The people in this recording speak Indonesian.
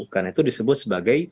karena itu disebut sebagai